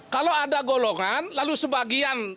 kalau ada golongan lalu sebagian